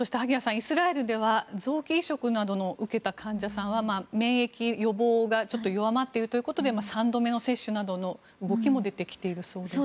イスラエルでは臓器移植などを受けた患者さんは免疫予防がちょっと弱まっているということで３度目の接種などの動きも出てきているそうです。